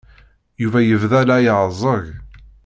Yuba yebda la iɛeẓẓeg.